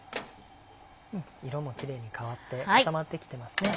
うん色もキレイに変わって固まってきてますね。